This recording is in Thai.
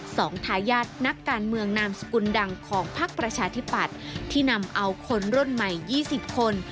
สองทายาทนักการเมืองนามศกุลดังของภาคปรชฐพัดที่นำเอาคนรุ่นใหม่๒๐คน